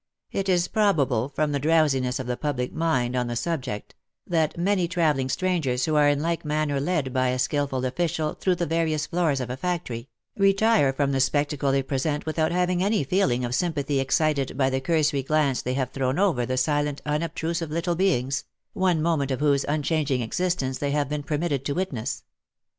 It is probable, from the drowsiness of the public mind on the subject, that many travelling strangers who are in like manner led by a skilful official through the various floors of a factory, retire from the spectacle they present without having any feeling of sympathy excited by the cursory glance they have thrown over the silent unobtrusive little beings, one moment of whose unchanging existence they have been permitted to witness.